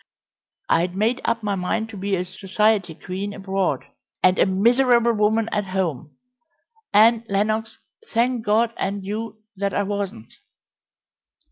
I'd made up my mind to be a society queen abroad, and a miserable woman at home and, Lenox, thank God and you, that I wasn't!"